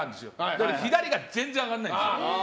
だけど、左が全然上がらないんです。